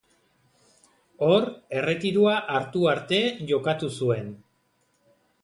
Hor erretiroa hartu arte jokatu zuen.